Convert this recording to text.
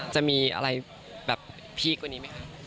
จะมีอะไรแบบพีคกว่านี้ไหมคะ